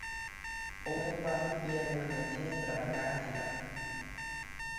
O meu pai ía de mañanciña traballar á cidade.